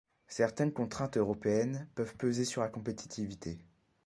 Certaines contraintes européennes peuvent peser sur la compétitivité.